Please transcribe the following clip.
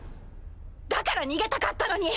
だから逃げたかったのに。